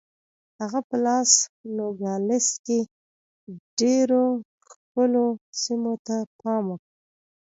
هغه په لاس نوګالس کې ډېرو ښکلو سیمو ته پام وکړ.